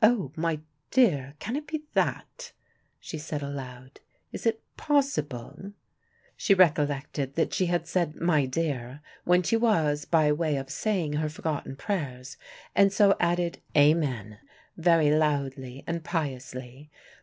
"Oh, my dear, can it be that?" she said aloud. "Is it possible?" She recollected that she had said "my dear" when she was by way of saying her forgotten prayers, and so added "Amen" very loudly and piously.